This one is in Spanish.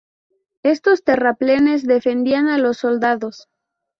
Estos terraplenes defendían a los soldados.